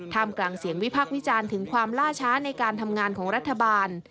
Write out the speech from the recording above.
มกลางเสียงวิพักษ์วิจารณ์ถึงความล่าช้าในการทำงานของรัฐบาล